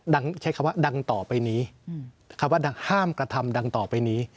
ใช้คำว่าดังต่อไปนี้คำว่าดังห้ามกระทำดังต่อไปนี้